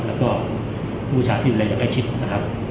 แล้วก็พวกทัพที่ดุแลอย่างแปดชิบ